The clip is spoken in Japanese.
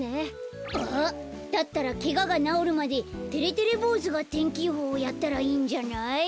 あっだったらケガがなおるまでてれてれぼうずが天気予報やったらいいんじゃない？